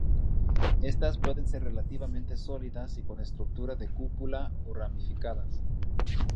Estas pueden ser relativamente sólidas y con estructura de cúpula o ramificadas.